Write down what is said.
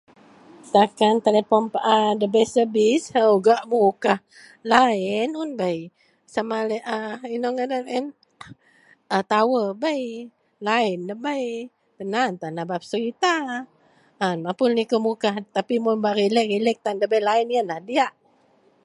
Takan telipon paa debei servis gak Mukah laen un debei sama laei a inou ngadan en, tower bei, laen debei tan aan tan a bak peserita, a mapun likou Mukah, mun bak relex -relex tan debei laen yen lah diyak